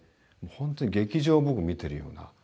ほんとに劇場を僕見てるような。